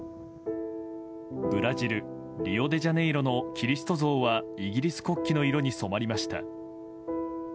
ブラジル・リオデジャネイロのキリスト像はイギリス国旗の色に染まりました。